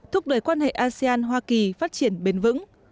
thúc đẩy quan hệ asean hoa kỳ phát triển bền vững